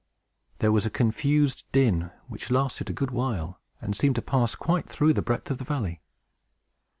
There was a confused din, which lasted a good while, and seemed to pass quite through the breadth of the valley.